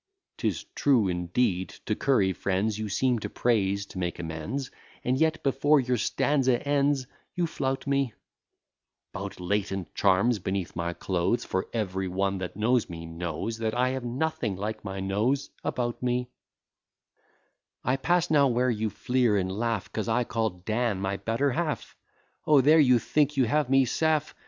'Tis true, indeed, to curry friends, You seem to praise, to make amends, And yet, before your stanza ends, you flout me, 'Bout latent charms beneath my clothes, For every one that knows me, knows That I have nothing like my nose about me: I pass now where you fleer and laugh, 'Cause I call Dan my better half! O there you think you have me safe!